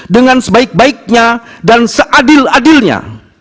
dengan sebaik baiknya dan seadil adilnya